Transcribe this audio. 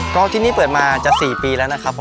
ก็ที่นี่เปิดมาจะ๔ปีแล้วนะครับผม